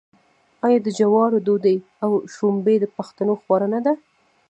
آیا د جوارو ډوډۍ او شړومبې د پښتنو خواړه نه دي؟